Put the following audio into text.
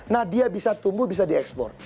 nah dia bisa tumbuh bisa diekspor